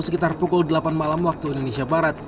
sekitar pukul delapan malam waktu indonesia barat